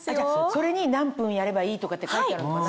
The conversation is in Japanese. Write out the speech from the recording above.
それに何分やればいいとかって書いてあるのかな？